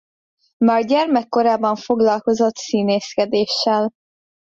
Már gyermekkorában foglalkozott színészkedéssel.